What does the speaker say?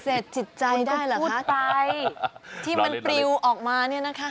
เศษจิตใจได้เหรอคะคุณต้องพูดไปที่มันปริวออกมาเนี่ยนะคะ